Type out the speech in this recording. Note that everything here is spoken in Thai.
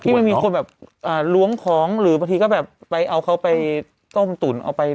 มันมีคนแบบล้วงของหรือบางทีก็แบบไปเอาเขาไปต้มตุ๋นเอาไป